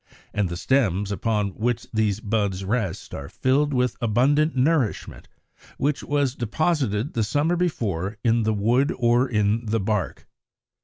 And the stems upon which these buds rest are filled with abundant nourishment, which was deposited the summer before in the wood or in the bark.